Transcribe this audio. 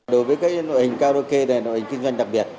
đối với các nội hình karaoke này là nội hình kinh doanh đặc biệt